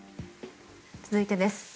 続いてです。